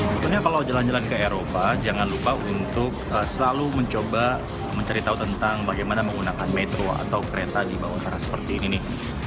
sebetulnya kalau jalan jalan ke eropa jangan lupa untuk selalu mencoba mencari tahu tentang bagaimana menggunakan metro atau kereta di bawah sana seperti ini nih